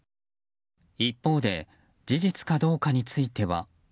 一方で事実かどうかについては。